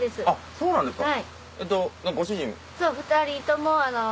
そうなんですかご主人？